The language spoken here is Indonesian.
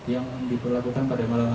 yang diperlakukan pada malam hari